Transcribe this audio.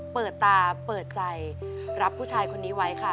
เปิดตาเปิดใจรับผู้ชายคนนี้ไว้ค่ะ